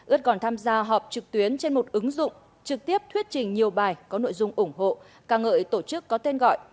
ớt còn tham gia họp trực tuyến trên một ứng dụng trực tiếp thuyết trình nhiều bài có nội dung ủng hộ ca ngợi tổ chức có tên gọi